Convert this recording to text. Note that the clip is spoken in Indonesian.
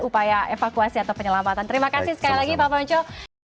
upaya evakuasi atau penyelamatan terima kasih sekali lagi pak ponco